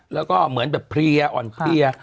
แล้วก็เหมือนแบบเพลียอ่อนเพลีย